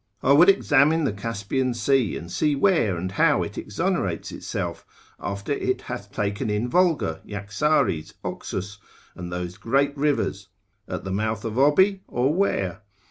I would examine the Caspian Sea, and see where and how it exonerates itself, after it hath taken in Volga, Jaxares, Oxus, and those great rivers; at the mouth of Oby, or where?